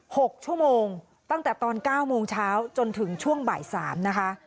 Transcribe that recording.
หกชั่วโมงตั้งแต่ตอนเก้าโมงเช้าจนถึงช่วงบ่ายสามนะคะ